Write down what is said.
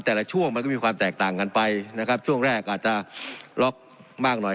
ในช่วงมันก็มีความแตกต่างกันไปนะครับช่วงแรกอาจจะล็อกมากหน่อย